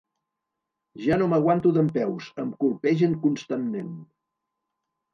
Ja no m’aguanto dempeus, em colpegen constantment.